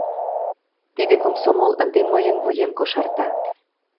Тиде комсомол ынде мыйын вуем кошарта...